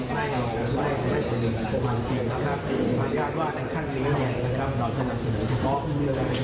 ผมยังว่าจะให้นำเสียงหายเป็นเพราะข้อเทคนจริงนะครับ